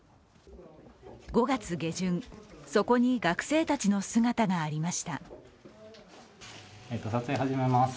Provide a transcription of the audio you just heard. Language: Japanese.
５月下旬、そこに学生たちの姿がありました。